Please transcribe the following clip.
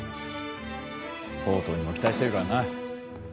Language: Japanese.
ほう統にも期待してるからな。